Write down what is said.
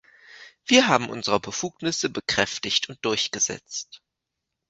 Wir haben unsere Befugnisse bekräftigt und durchgesetzt.